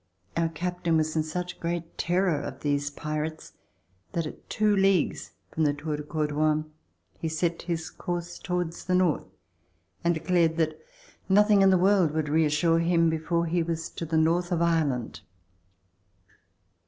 Our captain was in such great terror of these pirates that at two leagues from the Tour de Cor douan he set his course towards the north and de clared that nothing in the world would reassure him before he was to the north of Ireland.